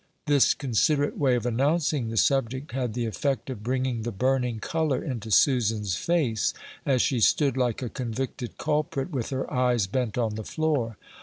This considerate way of announcing the subject had the effect of bringing the burning color into Susan's face, as she stood like a convicted culprit, with her eyes bent on the floor.